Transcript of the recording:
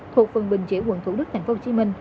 thuộc phần bình chỉa quận thủ đức tp hcm